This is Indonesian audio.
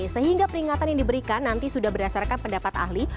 sehingga peringatan yang diberikan nanti sudah berdasarkan pendapat ahli